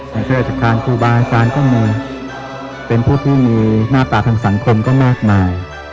แห่งเครื่องอาจารย์ทางคู่บ้านการก็มีเป็นผู้ที่มีน่าตัดทังสังคมก็มากมาย